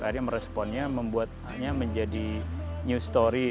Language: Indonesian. akhirnya meresponnya membuatnya menjadi news story